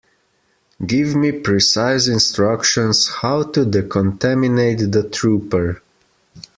Give me precise instructions how to decontaminate the trooper.